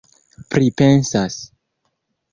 pripensas